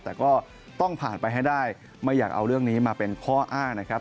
แต่ก็ต้องผ่านไปให้ได้ไม่อยากเอาเรื่องนี้มาเป็นข้ออ้างนะครับ